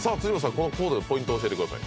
このコーデのポイントを教えてください